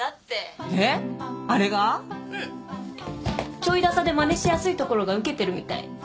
ちょいださでまねしやすいところがウケてるみたい。